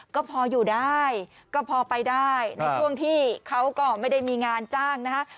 ก็พออยู่ได้ก็พอไปได้ในช่วงที่เขาก็ไม่ได้มีงานจ้างนะฮะ